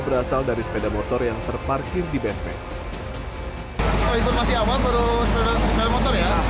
berasal dari sepeda motor yang terparkir di baseback informasi awal baru sepeda motor ya